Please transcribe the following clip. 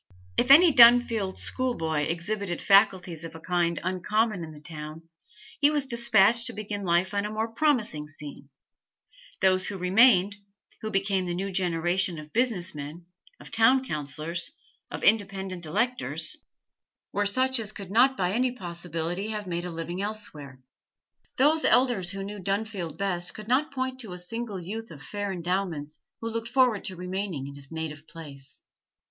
If any Dunfield schoolboy exhibited faculties of a kind uncommon in the town, he was despatched to begin life on a more promising scene; those who remained, who became the new generation of business men, of town councillors, of independent electors, were such as could not by any possibility have made a living elsewhere. Those elders who knew Dunfield best could not point to a single youth of fair endowments who looked forward to remaining in his native place.